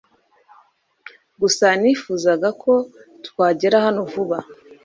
gusa nifuzaga ko twagera hano vuba